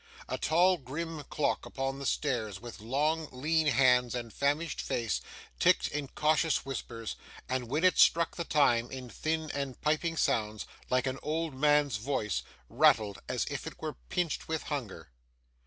A tall grim clock upon the stairs, with long lean hands and famished face, ticked in cautious whispers; and when it struck the time, in thin and piping sounds, like an old man's voice, rattled, as if it were pinched with hunger.